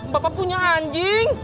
bapak punya anjing